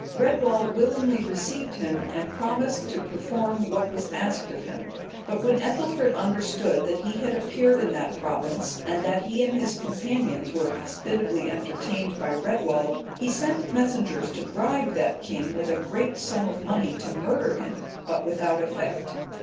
Redwald willingly received him, and promised to perform what was asked of him. But when Ethelfrid understood that he had appeared in that province, and that he and his companions were hospitably entertained by Redwald, he sent messengers to bribe that king with a great sum of money to murder him, but without effect.